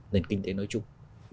nền kinh tế nói chung